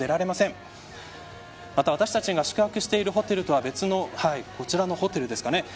また、私たちが宿泊しているホテルとは別のこちらのホテルですかね。